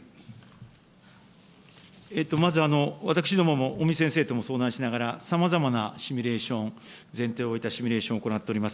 まず私どもも尾身先生とも相談しながら、さまざまなシミュレーション、前提を置いたシミュレーションを行っております。